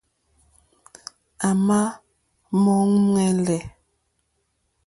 À mà mù úŋmɛ́lɛ́.